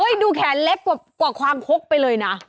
เฮ้ยดูแขนเล็กกว่าควางโค๊กไปเลยนะ